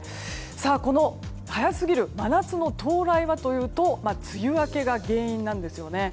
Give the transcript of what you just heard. この早すぎる真夏の到来はというと梅雨明けが原因なんですよね。